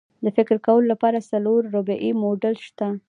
د فکر کولو لپاره څلور ربعي موډل شته.